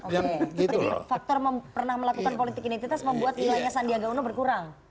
jadi faktor pernah melakukan politik identitas membuat nilainya sandiaga uno berkurang